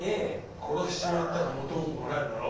殺しちまったら元も子もないだろう。